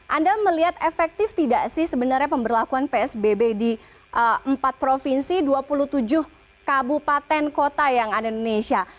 anda melihat efektif tidak sih sebenarnya pemberlakuan psbb di empat provinsi dua puluh tujuh kabupaten kota yang ada di indonesia